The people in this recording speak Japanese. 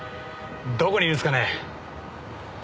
どこにいるんすかね？